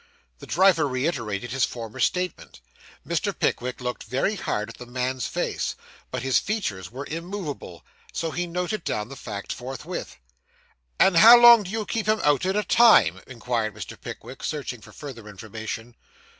The driver reiterated his former statement. Mr. Pickwick looked very hard at the man's face, but his features were immovable, so he noted down the fact forthwith. 'And how long do you keep him out at a time?' inquired Mr. Pickwick, searching for further information.